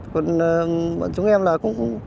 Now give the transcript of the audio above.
còn bọn chúng em là cũng